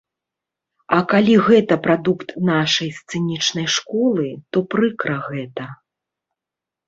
А калі гэта прадукт нашай сцэнічнай школы, то прыкра гэта.